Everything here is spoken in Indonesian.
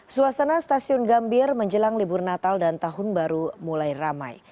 suasana stasiun gambir menjelang libur natal dan tahun baru mulai ramai